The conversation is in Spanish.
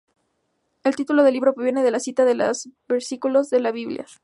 El título del libro proviene de una cita de un versículo de la Biblia.